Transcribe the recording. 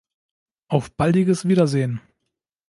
Auf baldiges Wiedersehn!